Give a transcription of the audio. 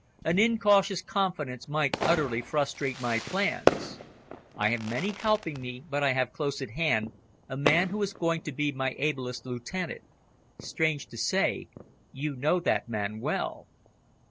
An incautious confidence might utterly frustrate my plans. I have many helping me, but I have close at hand a man who is going to be my ablest lieutenant. Strange to say, you know that man well."